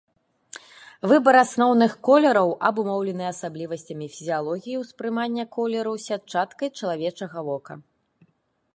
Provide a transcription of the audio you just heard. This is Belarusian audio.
Выбар асноўных колераў абумоўлены асаблівасцямі фізіялогіі ўспрымання колераў сятчаткай чалавечага вока.